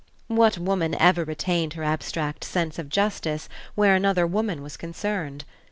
What woman ever retained her abstract sense of justice where another woman was concerned?